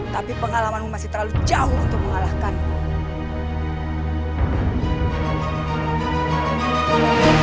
tapi pengalamanmu masih terlalu jauh untuk mengalahkanmu